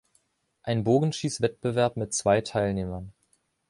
ein Bogenschieß-Wettbewerb mit zwei Teilnehmern